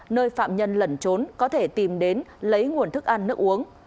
nơi phạm nhân lẩn trốn có thể tìm đến lấy nguồn thức ăn nước uống